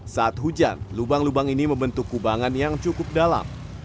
saat hujan lubang lubang ini membentuk kubangan yang cukup dalam